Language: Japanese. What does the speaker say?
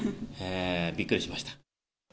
びっくりしました。